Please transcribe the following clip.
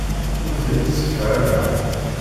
Ur ten-id-ssefhameɣ.